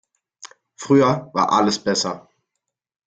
Früher war alles besser.